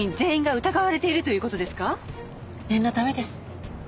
念のためです。